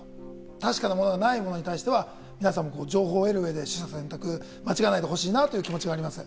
確かじゃないものに対しては、皆さんも情報を得るうえで、取捨選択を間違えないでほしいなという気持ちがあります。